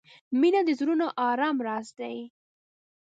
• مینه د زړونو د آرام راز دی.